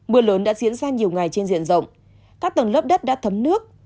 mưa lớn đã diễn ra nhiều ngày trên diện rộng các tầng lớp đất đã thấm nước